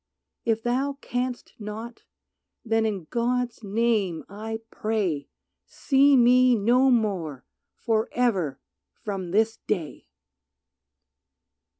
If thou canst not then in God's name I pray See me no more forever from this day.